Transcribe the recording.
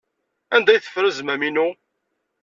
Anda ay teffer azmam-inu?